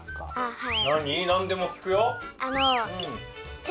はい。